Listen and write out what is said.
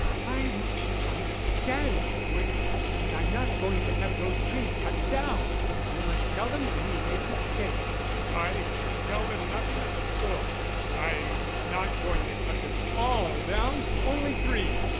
"I want you to understand, Edward, that I'm not going to have those trees cut down. You must tell the men you made a mistake." "I shall tell them nothing of the sort. I'm not going to cut them all down only three.